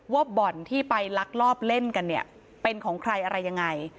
ว่าบ่อนที่ไปลักลอบเล่นกันเนี่ยเป็นของใครอะไรยังไง